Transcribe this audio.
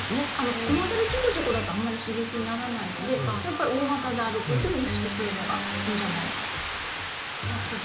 小股でちょこちょこだとあまり刺激にならないので大股で歩くというのを意識するのがいいんじゃないかと。